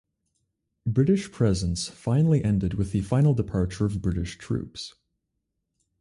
British presence finally ended with the final departure of British troops.